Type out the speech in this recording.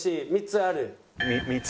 ３つある」。